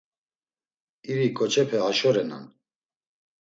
İri koçepe haşo renan.